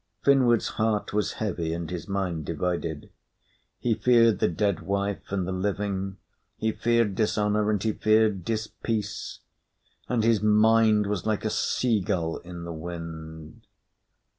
Finnward's heart was heavy, and his mind divided. He feared the dead wife and the living; he feared dishonour and he feared dispeace; and his will was like a sea gull in the wind.